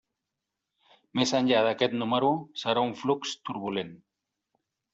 Més enllà d'aquest número, serà un flux turbulent.